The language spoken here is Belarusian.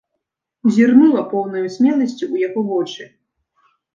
Зірнула поўнаю смеласцю ў яго вочы.